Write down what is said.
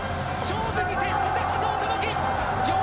勝負に徹した佐藤友祈！